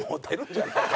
「じゃないか」！